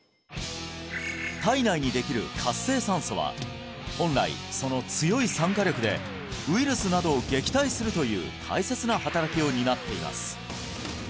体内にできる活性酸素は本来その強い酸化力でウイルスなどを撃退するという大切な働きを担っています